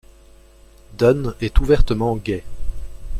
Dunn est ouvertement gay.